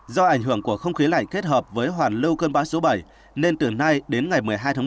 do ảnh hưởng của không khí lạnh kết hợp với hoàn lưu cơn bão số bảy nên từ nay đến ngày một mươi hai tháng một mươi